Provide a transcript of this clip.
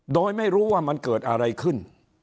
โดยไม่รู้ว่ามันเกิดอะไรขึ้น